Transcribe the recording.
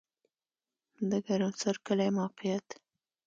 د ګرم سر کلی موقعیت